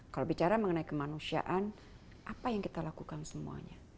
kalau bicara mengenai kemanusiaan apa yang kita lakukan semuanya